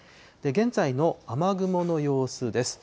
現在の雨雲の様子です。